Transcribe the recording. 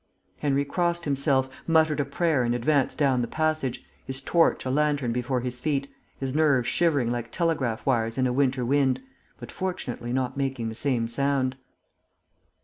Henry crossed himself, muttered a prayer and advanced down the passage, his torch a lantern before his feet, his nerves shivering like telegraph wires in a winter wind, but fortunately not making the same sound.